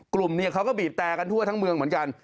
กลุ่มเนี่ยเขาก็บีบแต่กันทั่วทั้งเมืองเหมือนกัน